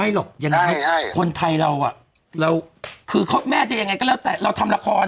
ไม่หรอกอย่างนั้นคนไทยเราอะคือแม่จะยังไงก็แล้วแต่เราทำละครอะ